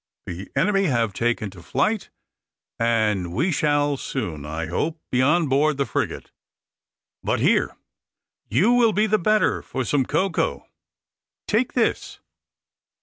The enemy have taken to flight, and we shall soon, I hope, be on board the frigate. But here, you will be the better for some cocoa. Take this."